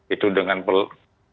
itu dengan pelonggaran